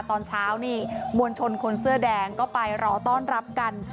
ตอนเช้านี่มวลชนคนเสื้อแดงก็ไปรอต้อนรับกัน